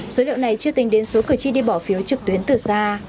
số liệu này chưa tính đến số cử tri đi bỏ phiếu trực tuyến từ xa